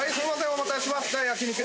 お待たせしました。